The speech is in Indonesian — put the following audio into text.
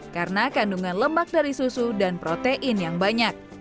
karena kandungan lemak dari susu dan protein ini